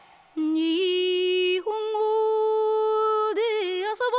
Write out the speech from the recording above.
「にほんごであそぼ」